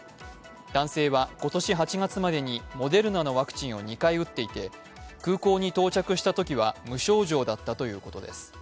男性は今年８月までにモデルナのワクチンを２回打っていて空港に到着したときは無症状だったということです。